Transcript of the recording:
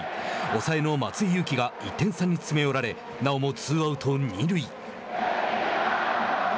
抑えの松井裕樹が１点差に詰め寄られなおもツーアウト、二塁。